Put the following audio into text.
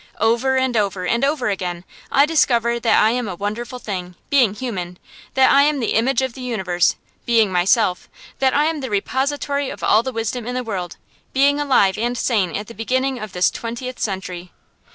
Over and over and over again I discover that I am a wonderful thing, being human; that I am the image of the universe, being myself; that I am the repository of all the wisdom in the world, being alive and sane at the beginning of this twentieth century.